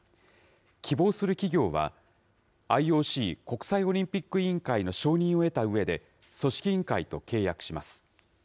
希望する企業は、ＩＯＣ・国際オリンピック委員会の承認を得たうえで、組織委員会と契約します。